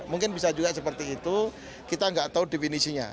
mungkin bisa juga seperti itu kita nggak tahu definisinya